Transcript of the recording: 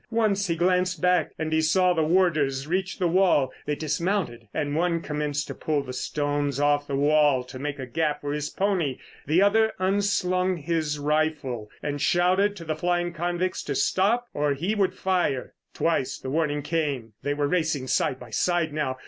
Once he glanced back and he saw the warders reach the wall; they dismounted, and one commenced to pull the stones off the wall to make a gap for his pony; the other unslung his rifle and shouted to the flying convicts to stop—or he would fire. Twice the warning came. They were racing side by side now.